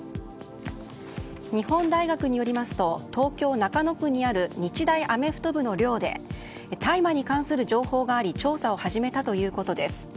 日本大学によりますと東京・中野区にある日大アメフト部の寮で大麻に関する情報があり調査を始めたということです。